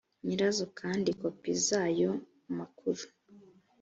nyirazo kandi kopi z ayo makuru